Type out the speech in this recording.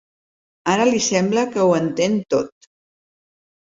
Ara li sembla que ho entén tot.